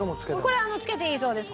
これつけていいそうです。